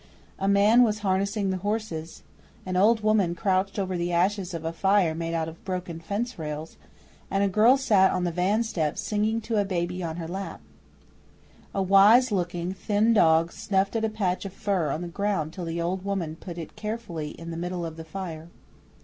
A man was harnessing the horses; an old woman crouched over the ashes of a fire made out of broken fence rails; and a girl sat on the van steps singing to a baby on her lap. A wise looking, thin dog snuffed at a patch of fur on the ground till the old woman put it carefully in the middle of the fire.